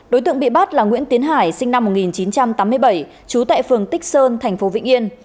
đối tượng bị bắt là nguyễn tiến hải sinh năm một nghìn chín trăm tám mươi bảy trú tại phường tích sơn thành phố vĩnh yên